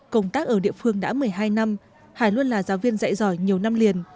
công tác ở địa phương đã một mươi hai năm hải luôn là giáo viên dạy giỏi nhiều năm liền